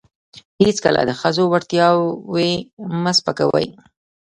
هیڅکله د ښځو وړتیاوې مه سپکوئ.